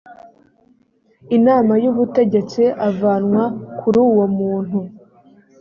inama y ubutegetsi avanwa kuri uwo muntu